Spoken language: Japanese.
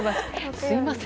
すみません。